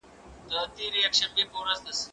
زه پرون ليکنه وکړه!.